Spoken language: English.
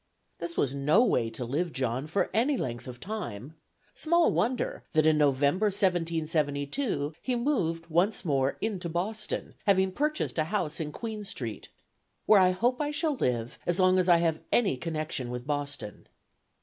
This was no way to live, John, for any length of time. Small wonder that in November, 1772, he once more moved into Boston, having purchased a house in Queen Street, "where I hope I shall live as long as I have any connection with Boston."